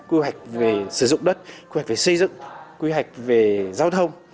quy hoạch về sử dụng đất quy hoạch về xây dựng quy hoạch về giao thông